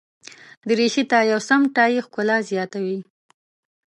دریشي ته یو سم ټای ښکلا زیاتوي.